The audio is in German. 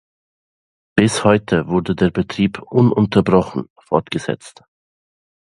Bis heute wurde der Betrieb ununterbrochen fortgesetzt.